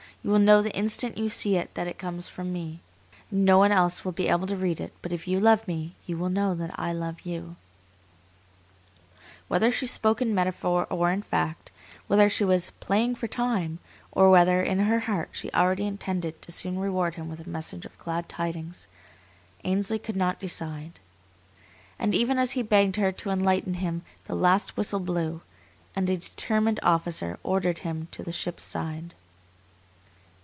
You will know the instant you see it that it comes from me. No one else will be able to read it; but if you love me, you will know that I love you." Whether she spoke in metaphor or in fact, whether she was "playing for time," or whether in her heart she already intended to soon reward him with a message of glad tidings, Ainsley could not decide. And even as he begged her to enlighten him the last whistle blew, and a determined officer ordered him to the ship's side.